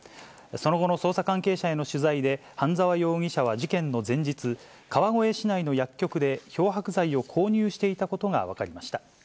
その後の捜査関係者への取材で、半沢容疑者は事件の前日、川越市内の薬局で漂白剤を購入していたことが分かりました。